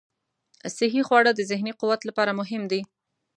صحي خواړه د ذهني قوت لپاره مهم دي.